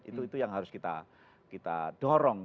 itu yang harus kita dorong